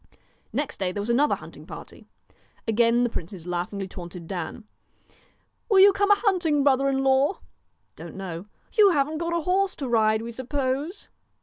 Next day there was another hunting party. Again the princes laughingly taunted Dan ' Will you come a hunting, brother in law ?'' Don't know.' 1 You haven't got a horse to ride, we suppose